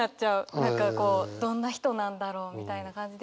何かこうどんな人なんだろうみたいな感じで。